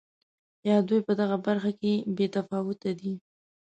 یا دوی په دغه برخه کې بې تفاوته دي.